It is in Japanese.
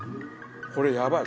これやばい！